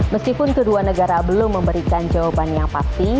meskipun kedua negara belum memberikan jawaban yang pasti